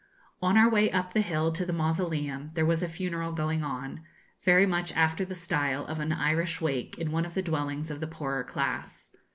On our way up the hill to the Mausoleum, there was a funeral going on, very much after the style of an Irish wake in one of the dwellings of the poorer class.